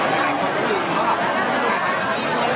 มันก็มีเป็นทำกว่า